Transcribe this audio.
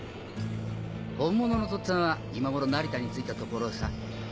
本物のとっつぁんは今頃成田に着いたところさ。